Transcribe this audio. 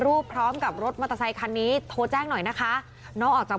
พร้อมกับรถมอเตอร์ไซคันนี้โทรแจ้งหน่อยนะคะน้องออกจาก